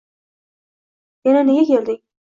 Yana nega kelding